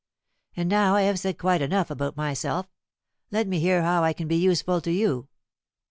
And now I have said quite enough about myself; let me hear how I can be useful to you."